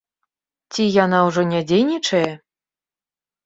Ці яна ўжо не дзейнічае?